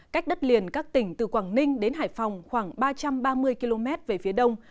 cách đất liền các tỉnh từ quảng ninh đến hải phòng khoảng ba trăm ba mươi km về phía đông